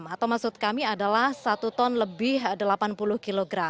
atau maksud kami adalah satu ton lebih delapan puluh kg